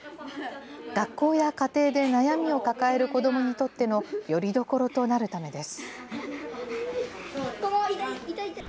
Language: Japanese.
学校や家庭で悩みを抱える子どもにとっての、よりどころとなるためです。